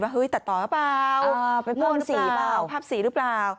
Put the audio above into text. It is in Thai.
ว่าตัดต่อหรือเปล่าไปปนสีหรือเปล่าภาพสีหรือเปล่า